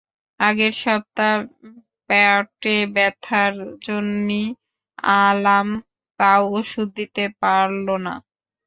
আগের সপ্তাহ প্যাটে ব্যথার জন্যি আলাম, তাও ওষুধ দিতি পারল না।